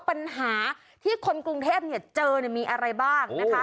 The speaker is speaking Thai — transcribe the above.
ปัญหาที่คนกรุงเทพเจอมีอะไรบ้างนะคะ